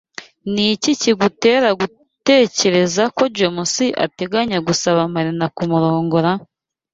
Ni iki kigutera gutekereza ko James ateganya gusaba Marina kumurongora?